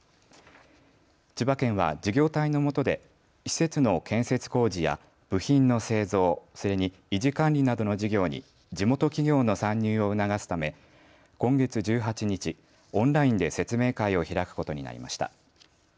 千葉県は、事業体のもとで施設の建設工事や部品の製造それに維持管理などの事業に地元企業の参入を促すため今月１８日、オンラインで説明会を開くことになりました。